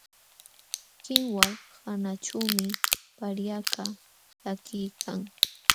Kinwal hanaćhuumi paryakaq takiykan.